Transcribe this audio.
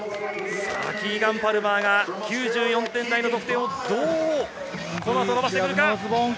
キーガン・パルマーが９４点台の得点をどう伸ばしてくるか。